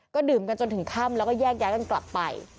ก็ดื่มกันจนถึงค่ำแล้วก็แยกย้ายกันกลับไป